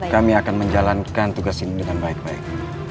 kami akan menjalankan tugas ini dengan baik baik